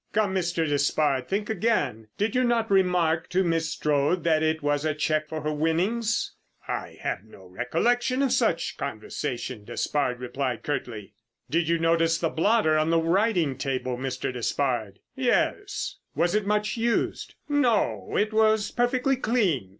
"Come, Mr. Despard, think again: did you not remark to Miss Strode that it was a cheque for her winnings?" "I have no recollection of any such conversation," Despard replied curtly. "Did you notice the blotter on the writing table, Mr. Despard?" "Yes." "Was it much used?" "No, it was perfectly clean."